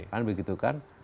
kan begitu kan